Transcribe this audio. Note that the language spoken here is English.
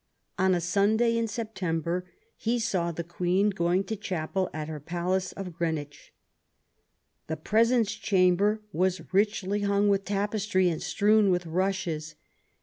On a Sunday in September he saw the Queen going to chapel at her palace of Greenwich. '* The presence chamber was richly hung with tapestry and strewn with rushes.